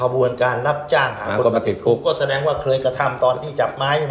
สร้างว่าเคยกระทั่มตอนที่จับไม้